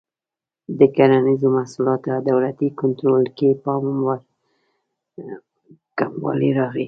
د کرنیزو محصولاتو دولتي کنټرول کې پاموړ کموالی راغی.